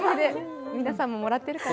皆さんももらっているかな。